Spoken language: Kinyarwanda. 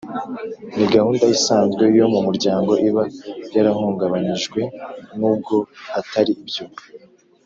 ni gahunda isanzwe yo mu muryango iba yarahungabanyijwe n ubwo Atari byo